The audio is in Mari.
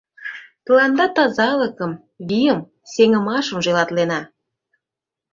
Тыланда тазалыкым, вийым, сеҥымашым желатлена...»